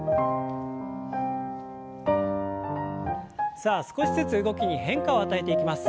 さあ少しずつ動きに変化を与えていきます。